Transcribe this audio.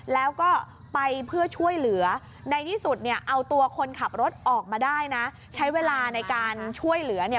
แล้วก็ไปเพื่อช่วยเหลือในที่สุดเนี่ยเอาตัวคนขับรถออกมาได้นะใช้เวลาในการช่วยเหลือเนี่ย